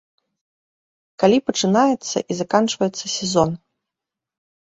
Калі пачынаецца і заканчваецца сезон?